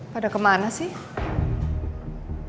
pada kemana sih